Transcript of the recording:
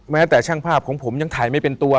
แม้แต่ช่างภาพของผมยังถ่ายไม่เป็นตัว